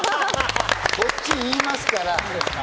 こっちで言いますから。